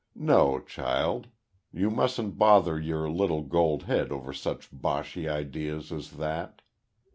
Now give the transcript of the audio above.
No, child; you mustn't bother your little gold head over such boshy ideas as that.